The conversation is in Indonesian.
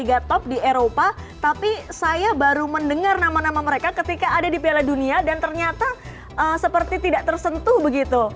ada top di eropa tapi saya baru mendengar nama nama mereka ketika ada di piala dunia dan ternyata seperti tidak tersentuh begitu